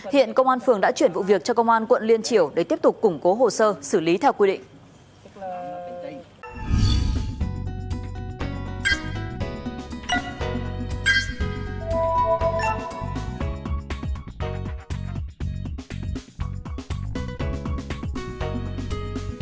hiện công an phường đã chuyển vụ việc cho công an quận liên triểu để tiếp tục củng cố hồ sơ xử lý theo quy định